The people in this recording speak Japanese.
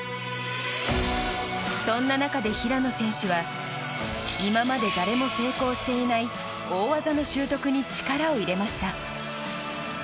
そんな中で平野選手は今まで誰も成功していない大技の習得に力を入れました。